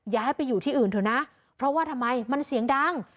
ย้ายไปอยู่ที่อื่นเถอะนะเพราะว่าทำไมมันเสียงดัง